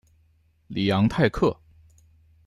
里昂泰克。